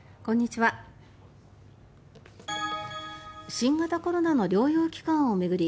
新型コロナの療養期間を巡り